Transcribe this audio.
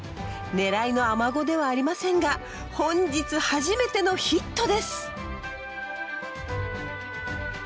狙いのアマゴではありませんが本日初めてのヒットです！